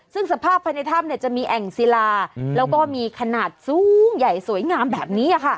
ซึ่งสภาพภายในถ้ำจะมีแอ่งศิลาแล้วก็มีขนาดสูงใหญ่สวยงามแบบนี้